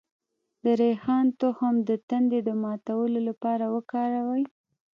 د ریحان تخم د تندې د ماتولو لپاره وکاروئ